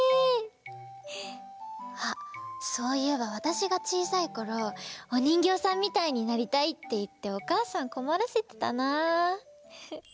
あそういえばわたしがちいさいころおにんぎょうさんみたいになりたいっていっておかあさんこまらせてたなあ。